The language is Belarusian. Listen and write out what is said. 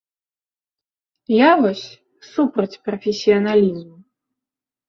Я вось супраць прафесіяналізму!